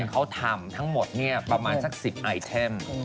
เขาทำทั้งหมดเนี่ยประมาณสักสิบไอเทม